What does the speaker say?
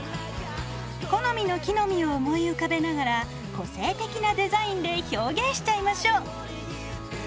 好みの木の実を思い浮かべながら個性的なデザインで表現しちゃいましょ。